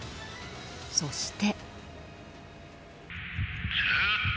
そして。